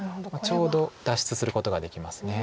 ちょうど脱出することができます。